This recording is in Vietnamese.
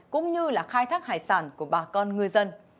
cũng như là khai thác hải sản của bà con người dân